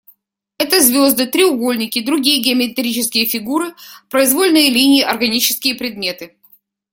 Это звезды, треугольники, другие геометрические фигуры, произвольные линии, органические предметы.